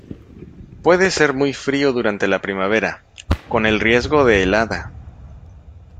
Puede ser muy frío durante la primavera, con el riesgo de helada.